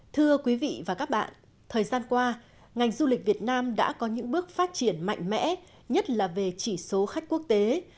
thưa quý vị và các bạn thời gian qua ngành du lịch việt nam đã có những bước phát triển mạnh mẽ nhất là về chỉ số khách quốc tế